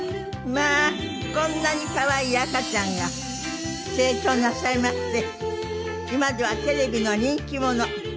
まあこんなに可愛い赤ちゃんが成長なさいまして今ではテレビの人気者。